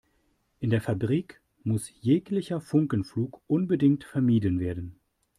In der Fabrik muss jeglicher Funkenflug unbedingt vermieden werden.